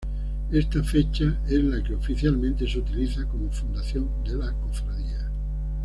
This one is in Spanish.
Esta fecha es la que oficialmente se utiliza como de fundación de la Cofradía.